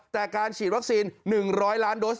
แต่การฉีดวัคซีน๑๐๐ล้านโดส